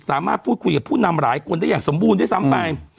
สามารถพูดคุยกับผู้นำหลายคนได้อย่างสมบูรณ์ด้วยซ้ำไป